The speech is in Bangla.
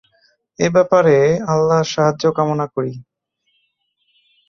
এ ব্যাপারে আল্লাহর সাহায্য কামনা করি।